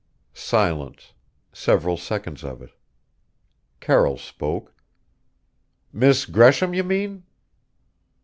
Silence several seconds of it. Carroll spoke: "Miss Gresham, you mean?"